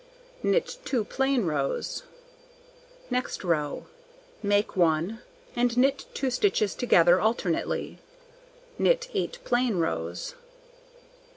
Knit 2 plain rows. Next row: Make 1, and knit 2 stitches together alternately. Knit 8 plain rows.